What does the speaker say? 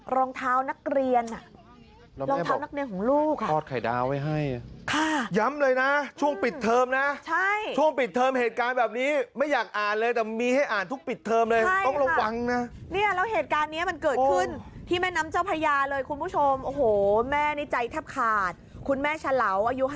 รองเท้านักเรียนอ่ะรองเท้านักเรียนของลูกอ่ะทอดไข่ดาวไว้ให้ค่ะย้ำเลยนะช่วงปิดเทอมนะใช่ช่วงปิดเทิมเหตุการณ์แบบนี้ไม่อยากอ่านเลยแต่มีให้อ่านทุกปิดเทอมเลยต้องระวังนะเนี่ยแล้วเหตุการณ์เนี้ยมันเกิดขึ้นที่แม่น้ำเจ้าพญาเลยคุณผู้ชมโอ้โหแม่นี่ใจแทบขาดคุณแม่ฉลาอายุ๕